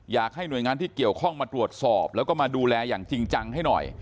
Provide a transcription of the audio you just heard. อยากให้หน่วยงานที่เกี่ยวข้องมาตรวจสอบแล้วก็มาดูแลอย่างจริงจังให้หน่อย